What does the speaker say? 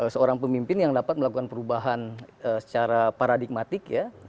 seorang pemimpin yang dapat melakukan perubahan secara paradigmatik ya